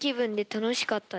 楽しかった。